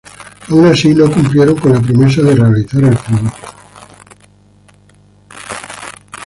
Aun así, no cumplieron con la promesa de realizar el producto.